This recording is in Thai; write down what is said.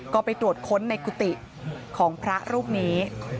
ก็ไปตรวจค้นในกุฏิของพระรูปนี้